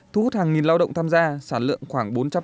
thu hút hàng nghìn lao động tham gia sản lượng khoảng bốn trăm linh tấn